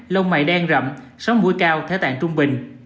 lông mày đen rậm sóng mũi cao thế tạng trung bình